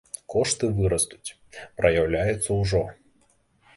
Кошты вырастуць, праяўляецца ўжо.